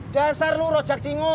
jasar lo rojak cingur